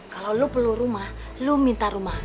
kalau lo perlu rumah lo minta rumah